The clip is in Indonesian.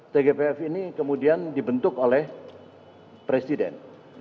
tgpf ini kemudian dibentuk oleh presiden